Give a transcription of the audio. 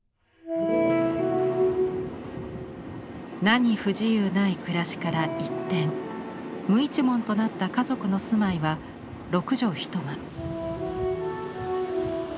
何不自由ない暮らしから一転無一文となった家族の住まいは６畳１間。